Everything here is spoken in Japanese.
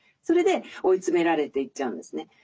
それで追い詰められていっちゃうんですね。